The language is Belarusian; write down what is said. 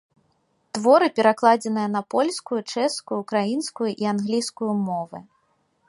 Творы перакладзеныя на польскую, чэшскую, украінскую і англійскую мовы.